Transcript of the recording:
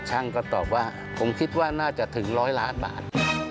ช่างก็ตอบว่าผมคิดว่าน่าจะถึง๑๐๐ล้านบาท